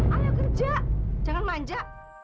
ayo kerja jangan manja